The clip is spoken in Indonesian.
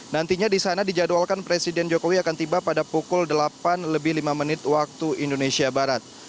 nantinya di sana dijadwalkan presiden jokowi akan tiba pada pukul delapan lebih lima menit waktu indonesia barat